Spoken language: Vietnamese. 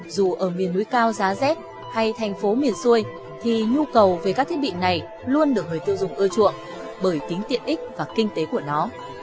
dù ở miền núi cao giá rét hay thành phố miền xuôi thì nhu cầu về các thiết bị này luôn được người tiêu dùng ưa chuộng bởi tính tiện ích và kinh tế của nó